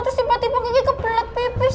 terus tiba tiba kiki kepelet pipis